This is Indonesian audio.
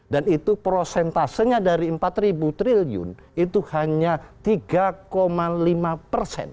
dan itu prosentasenya dari empat triliun itu hanya tiga lima persen